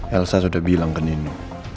elsa sudah bilang ke sini